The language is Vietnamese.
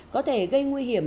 có thể gây nguy hiểm